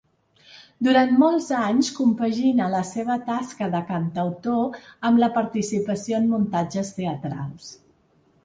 Durant molts anys compagina la seva tasca de cantautor amb la participació en muntatges teatrals.